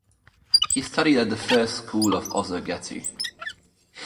He studied at the first school of Ozurgeti.